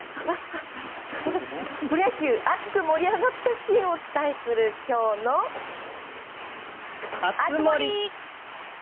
プロ野球熱く盛り上がったシーンをお伝えする熱盛！